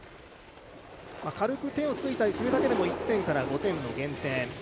軽く手をついたりするとそれだけでも１点から５点の減点。